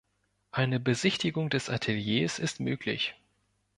Eine Besichtigung des Ateliers ist möglich.